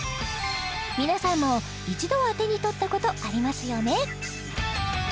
皆さんも一度は手に取ったことありますよね？